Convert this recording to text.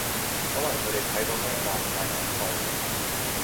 可能佢哋睇到呢幕太感動